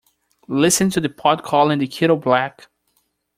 Listen to the pot calling the kettle black.